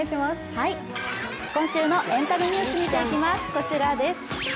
今週のエンタメニュース見ていきます。